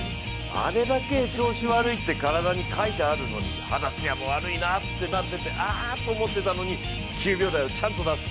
あれだけ調子悪いって体に書いてあるのに肌艶も悪いなって思っててあって思ってたのに、９秒台をちゃんと出す。